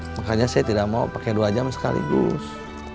makanya saya tidak mau pakai dua jam sekaligus